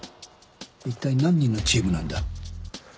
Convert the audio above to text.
一体何人のチームなんだ？